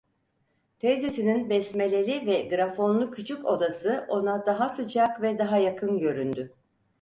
Teyzesinin besmeleli ve gramofonlu küçük odası ona daha sıcak ve daha yakın göründü.